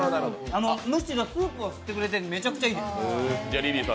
むしろスープが吸ってくれてめっちゃいいです。